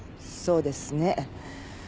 そうですね。